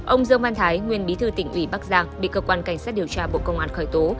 ông dương văn thái nguyên bí thư tỉnh ủy bắc giang bị cơ quan cảnh sát điều tra bộ công an khởi tố